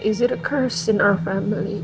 apakah itu penyakit dalam keluarga kita